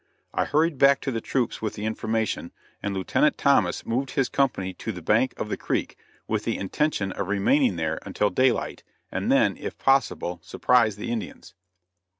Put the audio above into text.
I hurried back to the troops with the information, and Lieutenant Thomas moved his company to the bank of the creek, with the intention of remaining there until daylight, and then, if possible, surprise the Indians.